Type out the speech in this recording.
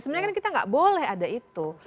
sebenarnya kita gak boleh ada itu